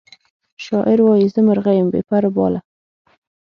شاعر وایی زه مرغه یم بې پر او باله